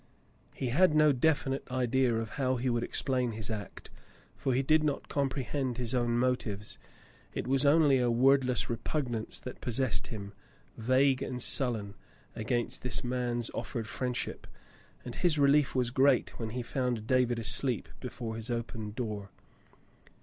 He had no definite idea of how he would explain his act, for he did not comprehend his own motives. It was only a wordless repugnance that possessed him, vague and sullen, against this man's offered friendship ; and his relief was great when he found David asleep before his open door.